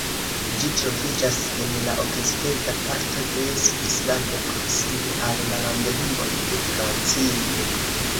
Ĝi troviĝas en la okcidenta parto de Svislando proksime al la landlimoj de Francio.